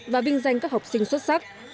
và vinh danh các học sinh xuất sắc